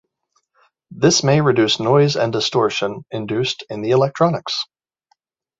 This may reduce noise and distortion induced in the electronics.